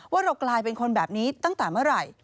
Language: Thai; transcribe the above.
ว่าเรากลายเป็นคนแบบนี้ตั้งแต่เมื่อไหร่